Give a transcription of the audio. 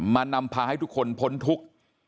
นำพาให้ทุกคนพ้นทุกข์